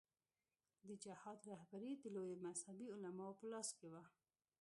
د جهاد رهبري د لویو مذهبي علماوو په لاس کې وه.